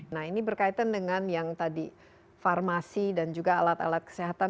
nah ini berkaitan dengan yang tadi farmasi dan juga alat alat kesehatan